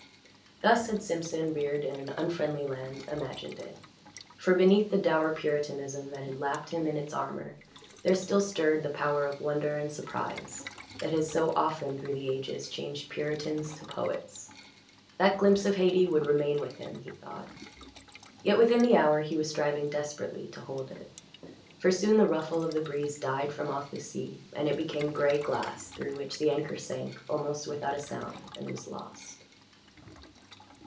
Thus had Simpson, reared in an unfriendly land, imagined it, for beneath the dour Puritanism that had lapped him in its armour there still stirred the power of wonder and surprise that has so often through the ages changed Puritans to poets. That glimpse of Hayti would remain with him, he thought, yet within the hour he was striving desperately to hold it. For soon the ruffle of the breeze died from off the sea, and it became gray glass through which the anchor sank almost without a sound and was lost.